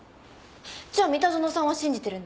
じゃあ三田園さんは信じてるんですか？